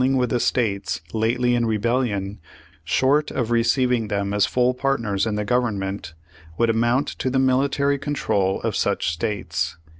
Page One Hundred fifty one with the states lately in rebellion, short of receiv ing them as full partners in the Government, would amount to the military control of such states.